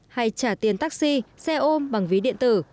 hay trả tiền taxi xe ôm bằng ví điện tử